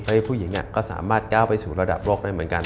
ผู้หญิงก็สามารถก้าวไปสู่ระดับโลกได้เหมือนกัน